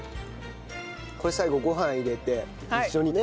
これ最後ご飯入れて一緒にね。